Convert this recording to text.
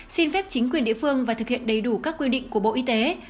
xin phép chính quyền địa phương và thực hiện đầy đủ các quy định của bộ y tế